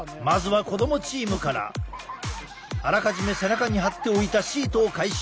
あらかじめ背中に貼っておいたシートを回収。